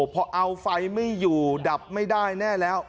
พอเอาไฟไม่อยู่ดับไม่ได้แน่แล้ว